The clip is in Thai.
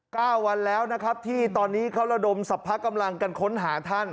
วันแล้วนะครับที่ตอนนี้เขาระดมสรรพกำลังกันค้นหาท่าน